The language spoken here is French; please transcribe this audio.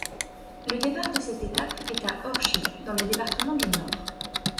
Le départ de cette étape est à Orchies, dans le département du Nord.